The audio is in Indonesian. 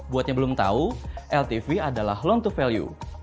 buat yang belum tau ltv adalah loan to value